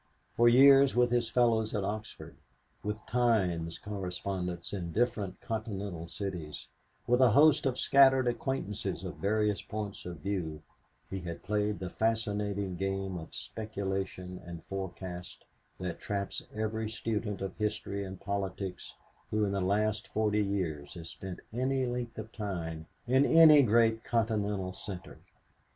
For years with his fellows at Oxford, with Times correspondents in different continental cities, with a host of scattered acquaintances of various points of view, he had played the fascinating game of speculation and forecast that traps every student of history and politics who in the last forty years has spent any length of time in any great continental center.